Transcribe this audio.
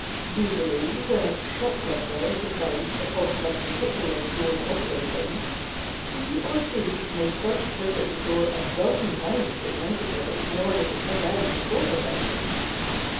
Usually when a shoplifter decides upon some particular store to operate in, he or she may first visit the store a dozen times if necessary in order to pick out the store detective.